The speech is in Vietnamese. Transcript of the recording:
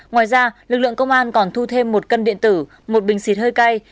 ngoài ra lực lượng công an còn thu thêm một cân điện tử một bình xịt hơi cay